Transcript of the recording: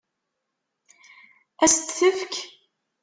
Ad s-t-tefk?